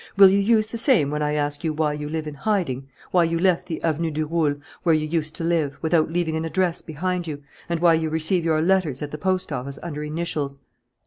Will you use the same when I ask you why you live in hiding, why you left the Avenue du Roule, where you used to live, without leaving an address behind you, and why you receive your letters at the post office under initials?"